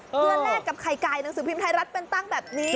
เพื่อแลกกับไข่ไก่หนังสือพิมพ์ไทยรัฐเป็นตั้งแบบนี้